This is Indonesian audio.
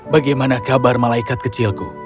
bagaimana kabar malaikat kecilku